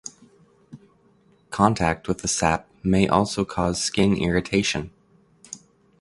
Contact with the sap may also cause skin irritation.